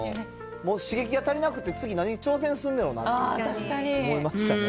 もう、刺激が足りなくて、次、何挑戦するのやろなって思いましたね。